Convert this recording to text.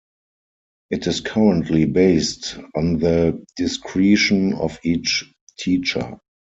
It is currently based on the discretion of each teacher.